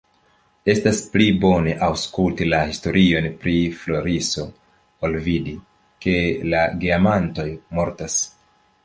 Estos pli bone, aŭskulti la historion pri Floriso ol vidi, ke la geamantoj mortas.